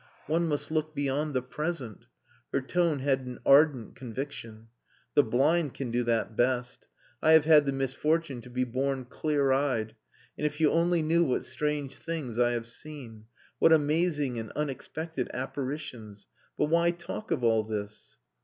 "One must look beyond the present." Her tone had an ardent conviction. "The blind can do that best. I have had the misfortune to be born clear eyed. And if you only knew what strange things I have seen! What amazing and unexpected apparitions!... But why talk of all this?"